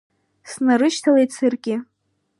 Снаршьҭалеит саргьы.